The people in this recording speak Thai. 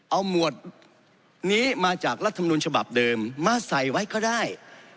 เอาหมวดนี้มาจากรัฐมนุนฉบับเดิมมาใส่ไว้ก็ได้